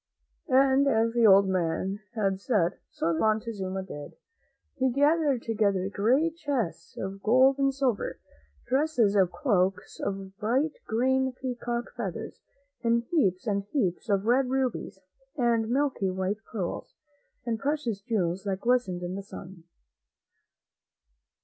And as the old man had said, so the King Montezuma did. He gathered together great chests of gold and silver, dresses and cloaks of bright green peacock feathers, and heaps and heaps of red rubies, and milky white pearls, and precious jewels that glistened in the sun.